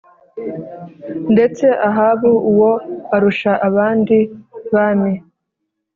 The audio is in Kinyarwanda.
ndetse Ahabu uwo arusha abandi bami